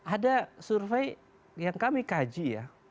ada survei yang kami kaji ya